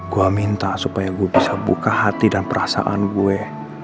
gue minta supaya gue bisa buka hati dan perasaan gue